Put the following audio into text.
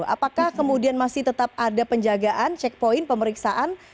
apakah kemudian masih tetap ada penjagaan checkpoint pemeriksaan